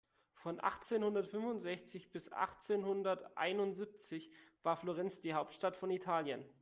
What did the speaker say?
Von achtzehnhundertfünfundsechzig bis achtzehnhunderteinundsiebzig war Florenz die Hauptstadt von Italien.